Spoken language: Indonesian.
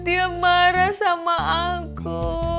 dia marah sama aku